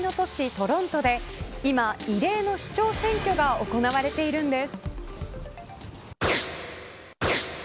トロントで今、異例の市長選挙が行われているんです。